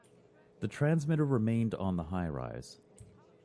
The transmitter remained on the highrise.